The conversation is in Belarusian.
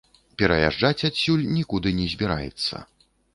Пераязджаць адсюль нікуды не збіраецца.